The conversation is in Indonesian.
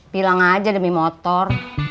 bilang aja demi motor